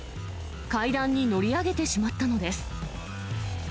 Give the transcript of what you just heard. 階段に乗り上げてしまったのです。